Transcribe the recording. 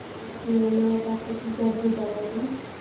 ایا ته کله په یوه لویه دښته کې ګرځېدلی یې؟